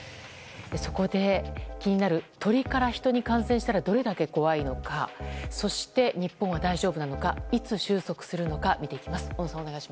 そこで気になる鳥から人に感染したらどれだけ怖いのかそして日本は大丈夫なのかいつ収束するのか見ていきます。